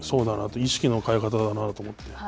意識の変え方だなと思って。